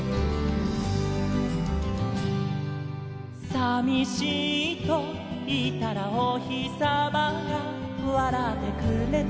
「さみしいといったらおひさまがわらってくれた」